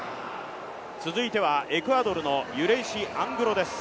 続いてはエクアドルのユレイシ・アングロです。